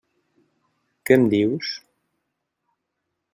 Què em dius?